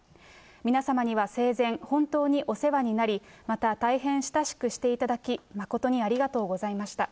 皆様には生前本当にお世話になり、また大変親しくしていただき、誠にありがとうございました。